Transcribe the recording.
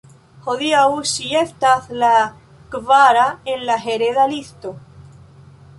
Hodiaŭ ŝi estas la kvara en la hereda listo.